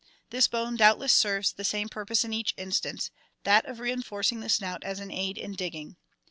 This bone doubtless serves the same purpose in each instance, that of reinforcing the snout as an aid in digging.